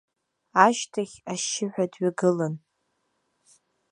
Ашьҭахь, ашьшьыҳәа дҩагылан.